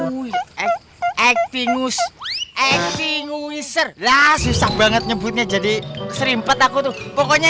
wuih eh ex twin user eh sing wiser dah susah banget nyebutnya jadi serimpet aku tuh pokoknya